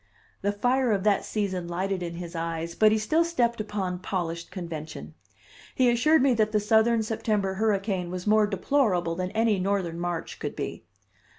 The fire of that season lighted in his eyes, but he still stepped upon polished convention. He assured me that the Southern September hurricane was more deplorable than any Northern March could be.